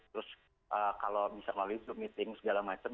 terus kalau bisa melalui zoom meeting segala macam